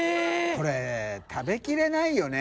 これ食べきれないよね。